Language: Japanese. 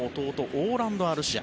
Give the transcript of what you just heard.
オーランド・アルシア。